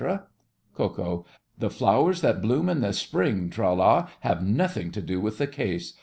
KO. The flowers that bloom in the spring, Tra la, Have nothing to do with the case.